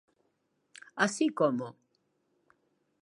_¿Así como?